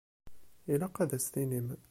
Ilaq ad as-tinim.